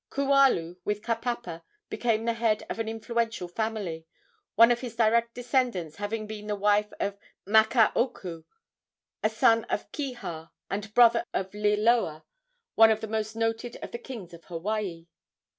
Kualu, with Kapapa, became the head of an influential family, one of his direct descendants having been the wife of Makaoku, a son of Kiha and brother of Liloa, one of the most noted of the kings of Hawaii.